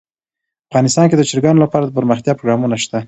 افغانستان کې د چرګانو لپاره دپرمختیا پروګرامونه شته.